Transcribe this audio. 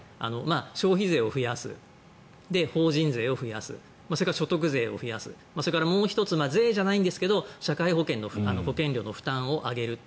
消費税を増やす、法人税を増やすそれから所得税を増やすもう１つ、税じゃないんですが社会保険料の負担を上げる。